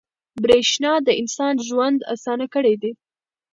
• برېښنا د انسان ژوند اسانه کړی دی.